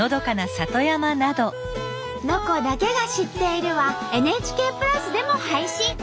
「ロコだけが知っている」はＮＨＫプラスでも配信！